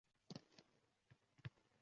O‘g‘ri qiz ushlanding